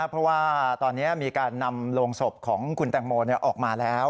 เพราะว่าตอนนี้มีการนำโรงศพของคุณแตงโมออกมาแล้ว